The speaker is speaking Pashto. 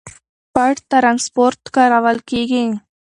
پټ ترانسپورت کارول کېږي.